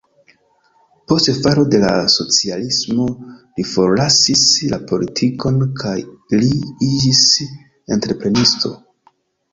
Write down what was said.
Post falo de la socialismo li forlasis la politikon kaj li iĝis entreprenisto.